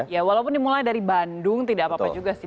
ya walaupun dimulai dari bandung tidak apa apa juga sih